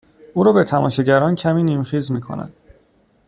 او رو به تماشاگران کمی نیمخیز میکند